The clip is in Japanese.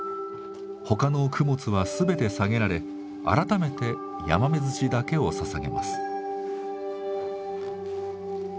他の供物は全て下げられ改めてヤマメずしだけを捧げます。